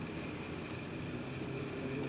আমি জেলের চক্কর কাটবো।